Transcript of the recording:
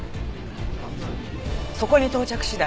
そこに到着次第